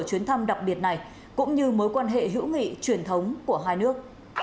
chuyến thăm đặc biệt này cũng như mối quan hệ hữu nghị truyền thống của hai nước